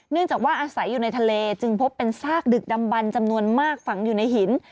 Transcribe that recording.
จากว่าอาศัยอยู่ในทะเลจึงพบเป็นซากดึกดำบันจำนวนมากฝังอยู่ในหิน